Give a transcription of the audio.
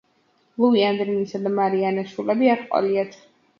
ლუი ანრისა და მარი ანას შვილები არ ჰყოლიათ.